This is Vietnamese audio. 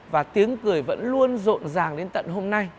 và tiếng cười vẫn luôn rộn ràng đến tận hôm nay